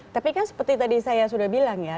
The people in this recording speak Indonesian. tapi kan seperti tadi saya sudah bilang ya